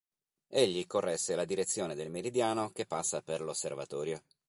Egli corresse la direzione del meridiano che passa per l'Osservatorio.